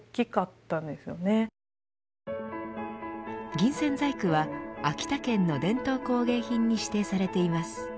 銀線細工は秋田県の伝統工芸品に指定されています。